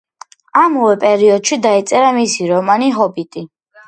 ამავე პერიოდში დაიწერა მისი რომანი „ჰობიტი“.